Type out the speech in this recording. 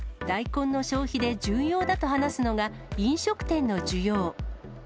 大根の消費で重要だと話すのが、飲食店の需要。